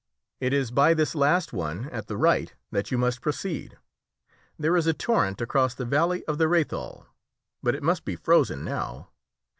It is by this last one at the right that you must proceed. There is a torrent across the valley of the Rhéthal, but it must be frozen now.